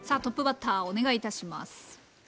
トップバッターお願いいたします。